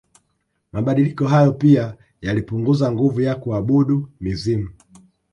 Mabadiliko hayo pia yalipunguza nguvu ya kuabudu mizimu